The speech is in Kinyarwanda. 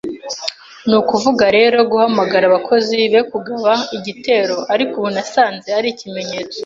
nukuvuga rero, guhamagara abakozi be kugaba igitero, ariko ubu nasanze ari ikimenyetso